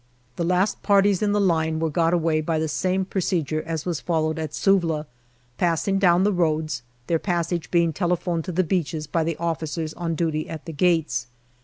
The last parties in the line were got away by the same procedure as was followed at Suvla, passing down the roads, their passage being telephoned to the beaches by the officers on duty at the gates.